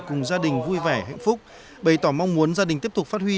cùng gia đình vui vẻ hạnh phúc bày tỏ mong muốn gia đình tiếp tục phát huy